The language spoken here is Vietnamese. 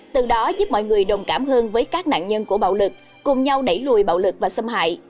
từ đó giúp mọi người đồng cảm hơn với các nạn nhân của bạo lực cùng nhau đẩy lùi bạo lực và xâm hại